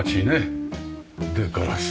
でガラス。